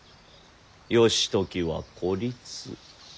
義時は孤立。